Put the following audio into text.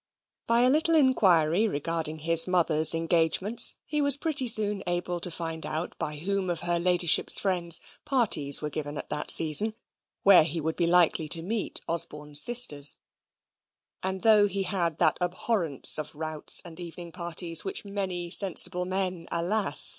By a little inquiry regarding his mother's engagements, he was pretty soon able to find out by whom of her ladyship's friends parties were given at that season; where he would be likely to meet Osborne's sisters; and, though he had that abhorrence of routs and evening parties which many sensible men, alas!